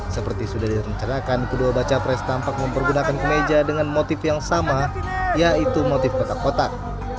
seperti sudah direncanakan kedua baca pres tampak mempergunakan kemeja dengan motif yang sama yaitu motif kotak kotak